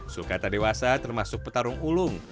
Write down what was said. sulkata dewasa termasuk petarung ulung